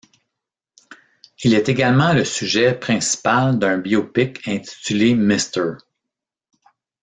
Il est également le sujet principal d’un biopic intitulé Mr.